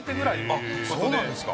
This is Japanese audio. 伊達：そうなんですか！